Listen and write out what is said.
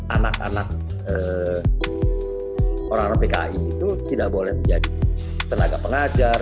anak anak orang orang pki itu tidak boleh menjadi tenaga pengajar